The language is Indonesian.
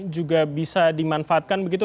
juga bisa dimanfaatkan begitu